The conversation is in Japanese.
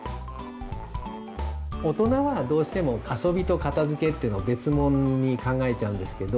大人はどうしても遊びと片づけっていうのは別もんに考えちゃうんですけど。